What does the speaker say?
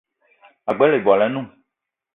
Ag͡bela ibwal anoun